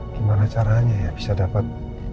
gimana caranya ya bisa dapat